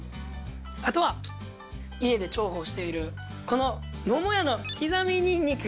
あとは家で重宝しているこの桃屋のきざみにんにく。